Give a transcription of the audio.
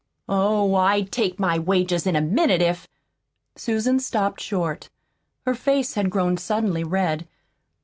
"Oh, I'd take my wages in a minute, if " Susan stopped short. Her face had grown suddenly red.